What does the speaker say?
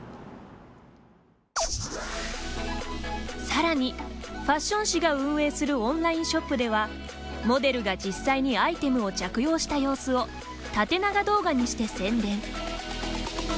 さらに、ファッション誌が運営するオンラインショップではモデルが実際にアイテムを着用した様子を縦長動画にして宣伝。